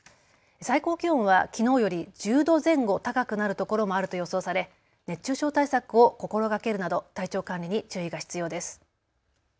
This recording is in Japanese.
最高気温はきのうより１０度前後高くなるところもあると予想され熱中症対策を心がけるなど体調管理に注意が必要です。